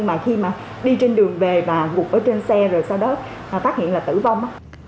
mà khi mà đi trên đường về và gục ở trên xe rồi sau đó phát hiện là tử vong